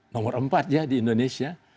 nomor empat ya di indonesia